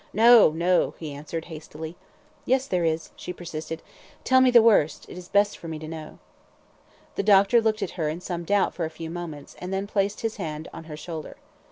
"No! No!" he answered, hastily. "Yes, there is," she persisted. "Tell me the worst, it is best for me to know." The doctor looked at her in some doubt for a few moments, and then placed his hand on her shoulder.